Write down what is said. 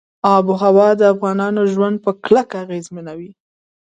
آب وهوا د افغانانو ژوند په کلکه اغېزمنوي.